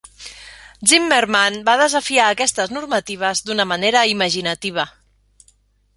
Zimmermann va desafiar aquestes normatives d'una manera imaginativa.